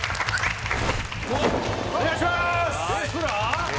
お願いします！